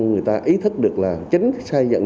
người ta ý thức được là chính xây dựng